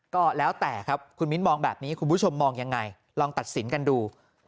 ก็แล้วแต่ครับคุณมิ้นมองแบบนี้คุณผู้ชมมองยังไงลองตัดสินกันดู